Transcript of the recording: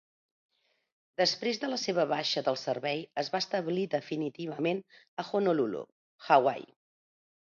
Després de la seva baixa del servei, es va establir definitivament a Honolulu, Hawaii.